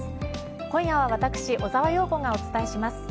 今夜は私小澤陽子がお伝えします。